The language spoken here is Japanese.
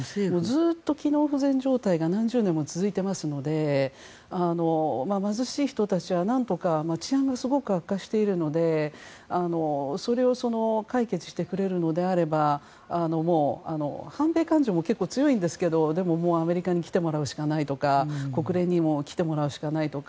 機能不全状態がずっと何十年も続いていますので貧しい人たちは何とか治安もすごく悪化しているのでそれを解決してくれるのであれば反米感情も結構強いんですけどでも、もうアメリカに来てもらうしかないとか国連にも来てもらうしかないとか。